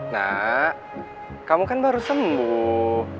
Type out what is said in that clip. nak kamu kan baru sembuh